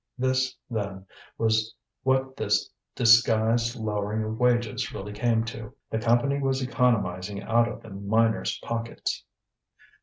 This, then, was what this disguised lowering of wages really came to. The Company was economizing out of the miners' pockets.